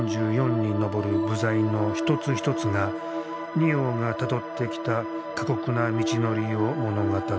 実に４４４に上る部材の一つ一つが仁王がたどってきた過酷な道のりを物語っていた。